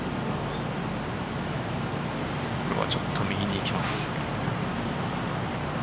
これはちょっと右にいきます。